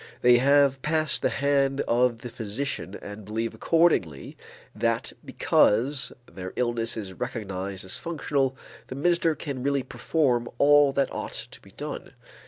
They have passed the hand of the physician and believe accordingly that because their illness is recognized as functional, the minister can really perform all that ought to be done.